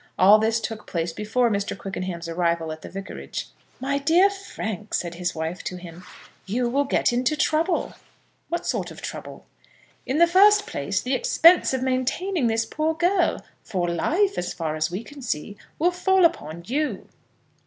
All this took place before Mr. Quickenham's arrival at the vicarage. "My dear Frank," said his wife to him, "you will get into trouble." "What sort of trouble?" "In the first place, the expense of maintaining this poor girl, for life, as far as we can see, will fall upon you."